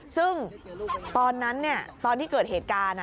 ซึ่งตอนนั้นตอนที่เกิดเหตุการณ์